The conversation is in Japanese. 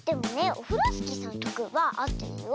オフロスキーさんのきょくはあってるよ。